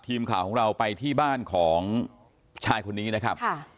ทีมข่าวของเราไปที่บ้านของชายคนนี้นะครับ